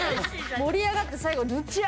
盛り上がって最後ぬちゃ！